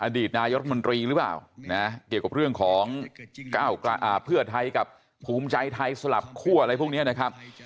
อดีตนายรัฐมนตรีหรือเปล่านะเกี่ยวกับเรื่องของเพื่อไทยกับภูมิใจไทยสลับคั่วอะไรพวกนี้นะครับ